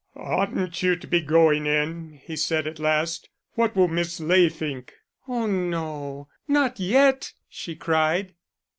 "Oughtn't you to be going in," he said at last; "what will Miss Ley think?" "Oh no not yet," she cried.